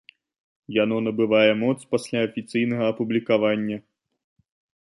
Яно набывае моц пасля афіцыйнага апублікавання.